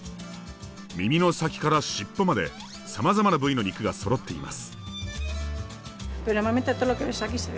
耳の先から尻尾までさまざまな部位の肉がそろっています。